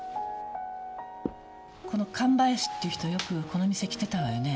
この神林っていう人よくこの店来てたわよね？